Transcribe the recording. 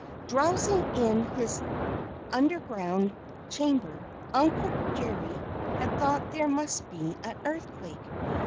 Drowsing in his underground chamber Uncle Jerry had thought there must be an earthquake.